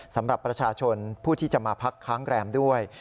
สำหรับประชาชนผู้ที่จะมาพักค้างแรมด้วย